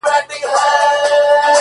گرا ني خبري سوې پرې نه پوهېږم،